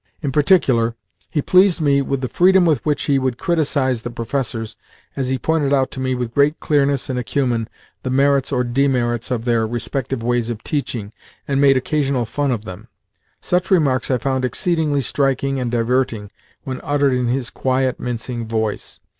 In particular he pleased me with the freedom with which he would criticise the professors as he pointed out to me with great clearness and acumen the merits or demerits of their respective ways of teaching and made occasional fun of them. Such remarks I found exceedingly striking and diverting when uttered in his quiet, mincing voice.